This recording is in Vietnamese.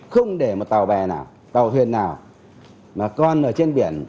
không để một tàu bè nào tàu thuyền nào mà còn ở trên biển